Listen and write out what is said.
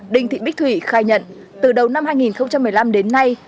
đinh thị bích thủy khai nhận từ đầu năm hai nghìn một mươi năm đến nay